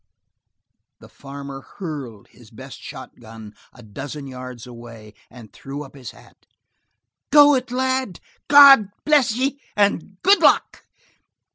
The farmer hurled his best shotgun a dozen yards away and threw up his hat. "Go it, lad! God bless ye; and good luck!"